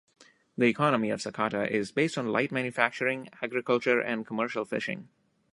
The economy of Sakata is based on light manufacturing, agriculture and commercial fishing.